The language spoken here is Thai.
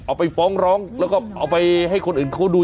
เอาไปฟ้องร้องแล้วก็เอาไปให้คนอื่นเขาดู